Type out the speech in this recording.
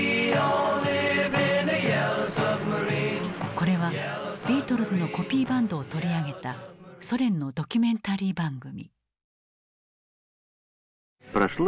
これはビートルズのコピーバンドを取り上げたソ連のドキュメンタリー番組。